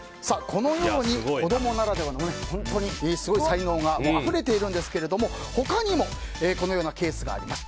このように、子供ならではの本当にすごい才能があふれているんですけども他にもこのようなケースがあります。